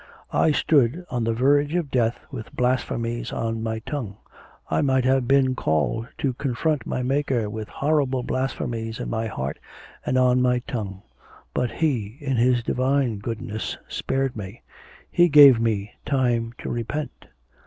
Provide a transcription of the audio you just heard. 'I stood on the verge of death with blasphemies on my tongue. I might have been called to confront my Maker with horrible blasphemies in my heart and on my tongue; but He, in His Divine goodness, spared me; He gave me time to repent.